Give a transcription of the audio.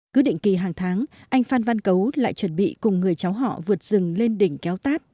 cứ định kỳ hàng tháng anh phan văn cấu lại chuẩn bị cùng người cháu họ vượt rừng lên đỉnh kéo tát